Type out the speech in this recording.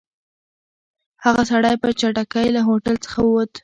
هغه سړی په چټکۍ له هوټل څخه ووت.